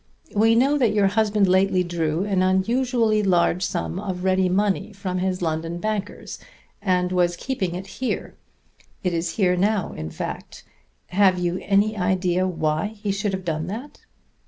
"We know that your husband lately drew an unusually large sum of ready money from his London bankers, and was keeping it here. It is here now, in fact. Have you any idea why he should have done that?"